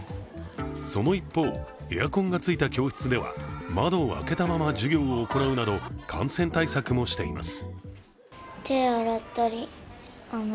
その一方、エアコンがついた教室では窓を開けたまま授業を行うなど感染対策もしています。